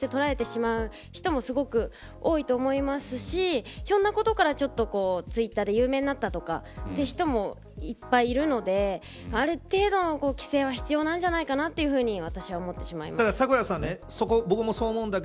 ＳＮＳの意見を情報として捉えてしまう人もすごく多いと思いますしひょんなことからツイッターで有名になったとかという人もいっぱいいるのである程度の規制は必要なんじゃないかと私は思ってしまいます。